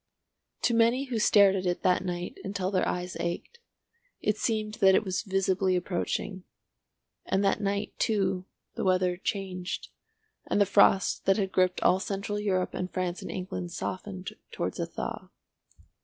To many who stared at it that night until their eyes ached, it seemed that it was visibly approaching. And that night, too, the weather changed, and the frost that had gripped all Central Europe and France and England softened towards a thaw.